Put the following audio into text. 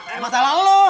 emang salah lu